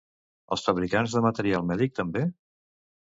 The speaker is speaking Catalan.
Els fabricants de material mèdic també?